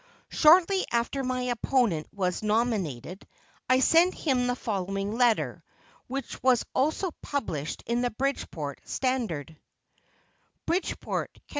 Shortly after my opponent was nominated, I sent him the following letter, which was also published in the Bridgeport Standard: BRIDGEPORT, CONN.